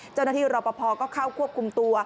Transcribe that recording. เจ้าหน้าที่รอปภก็เข้าควบคุมตัว